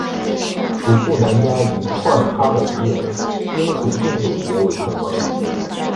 楚布南嘉与廓尔喀的敌人英属印度结为同盟。